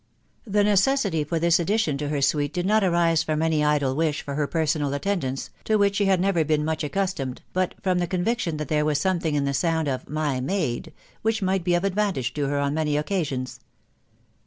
The necessity for this addition to her suite did not arise from any idle wish for per sonal attendance, to which she had never been much accus tomed, but from the conviction that there was something in the sound of " my maid " which might be of advantage to her on many occasions.